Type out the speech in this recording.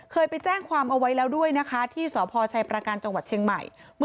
ไปแจ้งความเอาไว้แล้วด้วยนะคะที่สพชัยประการจังหวัดเชียงใหม่